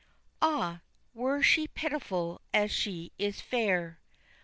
"Ah, were she pitiful as she is fair."